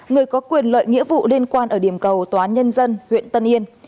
người có quyền lợi nghĩa vụ liên quan ở điểm cầu tòa án nhân dân huyện tân yên